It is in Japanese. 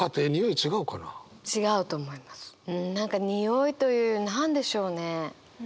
うん何かにおいという何でしょうね？